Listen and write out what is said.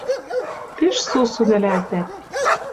Пиш сусун ӹлӓлтӓт